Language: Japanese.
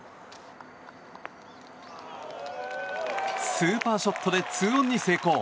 スーパーショットで２オンに成功。